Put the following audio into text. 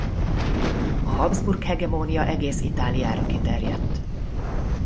A Habsburg-hegemónia egész Itáliára kiterjedt.